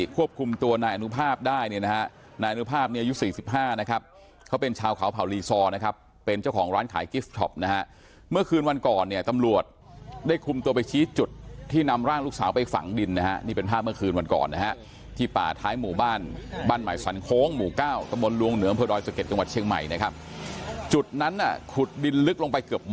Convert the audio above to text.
ควบคุมตัวนายอนุภาพได้นี่นะฮะนายอนุภาพในยุค๔๕นะครับเขาเป็นชาวขาวเผาลีซอนะครับเป็นเจ้าของร้านขายกิฟท์ท็อปนะฮะเมื่อคืนวันก่อนเนี่ยตำรวจได้คุมตัวไปชี้จุดที่นำร่างลูกสาวไปฝังดินนะฮะนี่เป็นภาพเมื่อคืนวันก่อนนะฮะที่ป่าท้ายหมู่บ้านบ้านหมายสวรรคงหมู่เก้ากระมวลลวงเหนือ